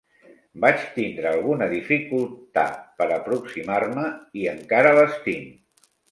Vaig tindre alguna dificultar per aproximar-me, i encara les tinc.